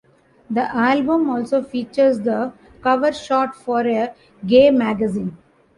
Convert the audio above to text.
The album also features the cover shot for a gay magazine.